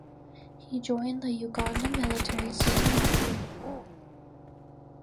He joined the Uganda Military soon thereafter.